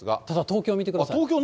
ただ東京見てください。